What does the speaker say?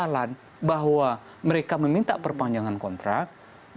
nah persoalan bahwa mereka meminta perpanjangan kontrak